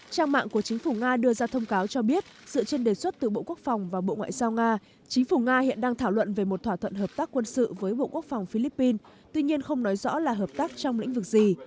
trang mạng của chính phủ nga đưa ra thông cáo cho biết dựa trên đề xuất từ bộ quốc phòng và bộ ngoại giao nga chính phủ nga hiện đang thảo luận về một thỏa thuận hợp tác quân sự với bộ quốc phòng philippines tuy nhiên không nói rõ là hợp tác trong lĩnh vực gì